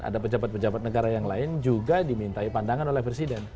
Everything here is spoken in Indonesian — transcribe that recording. ada pejabat pejabat negara yang lain juga dimintai pandangan oleh presiden